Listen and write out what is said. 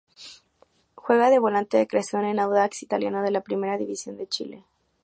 Juega de Volante de Creación en Audax Italiano de la Primera División de Chile.